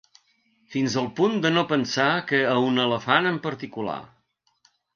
Fins al punt de no pensar que a un elefant en particular.